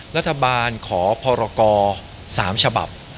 รัฐบาลขอพรกร๓ฉบับ